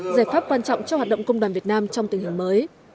giải pháp quan trọng cho hoạt động công đoàn việt nam trong tình hình mới